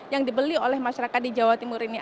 yang dibeli oleh masyarakat di jawa timur ini